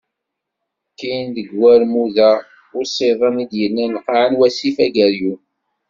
Kkin deg warmud-a n usiḍen i d-yellan lqaɛ n wasif Ageryun.